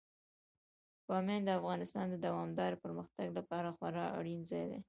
بامیان د افغانستان د دوامداره پرمختګ لپاره خورا اړین ځای دی.